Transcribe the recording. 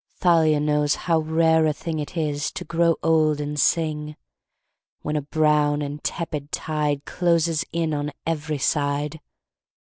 Thalia knows how rare a thing Is it, to grow old and sing; When a brown and tepid tide Closes in on every side.